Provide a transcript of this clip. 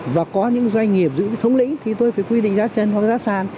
và có những doanh nghiệp giữ xứng lịnh thì tôi phải quy định giá chân hoặc giá san